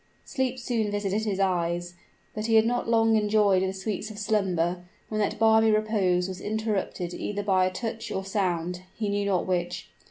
Sleep soon visited his eyes; but he had not long enjoyed the sweets of slumber, when that balmy repose was interrupted either by a touch or sound, he knew not which.